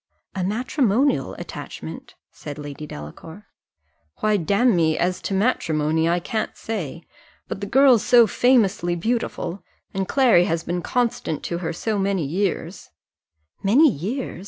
"A matrimonial attachment?" said Lady Delacour. "Why, damme, as to matrimony, I can't say; but the girl's so famously beautiful, and Clary has been constant to her so many years " "Many years!